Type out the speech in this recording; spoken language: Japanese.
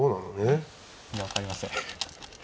いや分かりません。